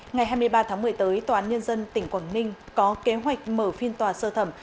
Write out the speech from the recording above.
ngày hai mươi ba tháng một mươi tới tòa án nhân dân tỉnh quảng ninh có kế hoạch mở phiên tòa sơ thẩm